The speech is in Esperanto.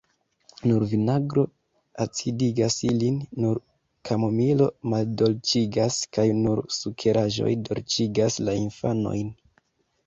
Nur vinagro acidigas ilin, nur kamomilo maldolĉigas, kaj nur sukeraĵoj dolĉigas la infanojn.